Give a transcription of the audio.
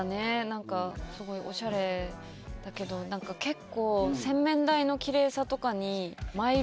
何かすごいオシャレだけど結構洗面台のきれいさとかに。